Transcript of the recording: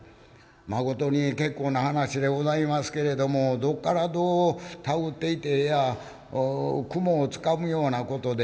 「まことに結構な話でございますけれどもどっからどう手繰っていってええや雲を掴むようなことで」。